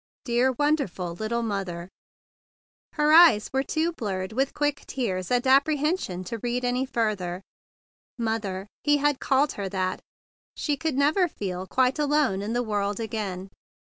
"Dear wonderful little mother!" Her eyes were too blurred with quick tears and apprehension to read any fur¬ ther. "Mother!" He had called her that. She could never feel quite alone in the world again.